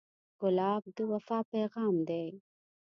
ګلاب د وفا پیغام دی.